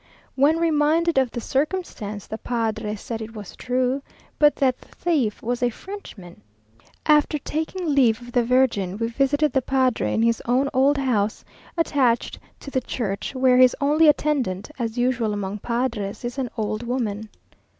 When reminded of the circumstance, the padre said it was true, but that the thief was a Frenchman. After taking leave of the Virgin, we visited the padre in his own old house, attached to the church, where his only attendant, as usual among padres, is an old woman.